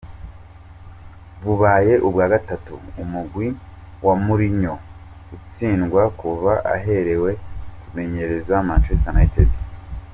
Bubaye ubwa gatatu umugwi wa Mourinho utsindwa kuva aherewe kumenyereza Manchester United.